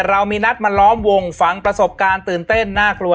เรามีนัดมาล้อมวงฝังประสบการณ์ตื่นเต้นน่ากลัว